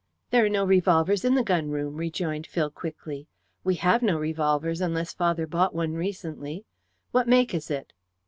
"There are no revolvers in the gun room," rejoined Phil quickly. "We have no revolvers, unless father bought one recently. What make is it?"